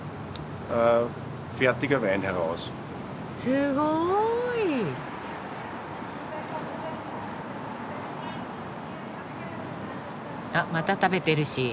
すごい！あっまた食べてるし。